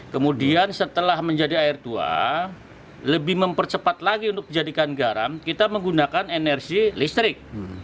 kemudian setelah menjadi air tua lebih mempercepat lagi untuk dijadikan garam kita menggunakan energi listrik